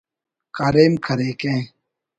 کاریم کریکہ